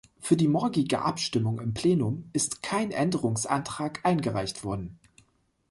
Für die morgige Abstimmung im Plenum ist kein Änderungsantrag eingereicht worden.